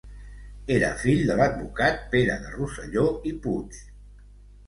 Era fill de l'advocat Pere de Rosselló i Puig.